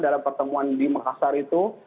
dalam pertemuan di makassar itu